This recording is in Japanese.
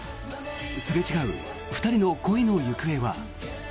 すれ違う２人の恋の行方は？